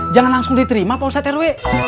jangan langsung diterima pak ustadz rw